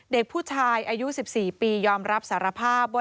เด็กผู้ชายอายุ๑๔ปียอมรับสารภาพว่า